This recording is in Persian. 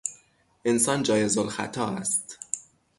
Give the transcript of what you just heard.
انسان جایز الخطا است.